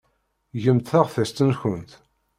Gemt taɣtest-nkent.